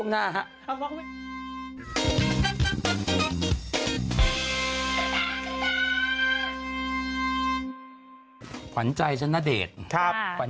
เดี๋ยวก่อนมาช่วงหน้า